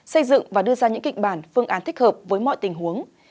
xây dựng và đưa ra những kịch bản phương án thích hợp với mọi tình huống